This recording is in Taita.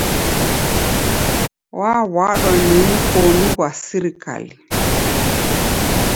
W'aw'adwa ni mkonu ghwa sirikali